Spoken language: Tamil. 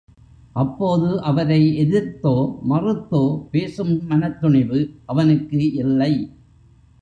அப்போது அவரை எதிர்த்தோ மறுத்தோ பேசும் மனத் துணிவு அவனுக்கு இல்லை.